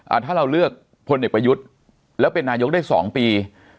ถ้าเราเลือกพลเอกประยุทธ์แล้วเป็นนายกได้สองปี